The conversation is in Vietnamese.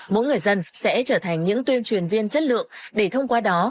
mỗi người dân sẽ trở thành những tuyên truyền viên chất lượng để thông qua đó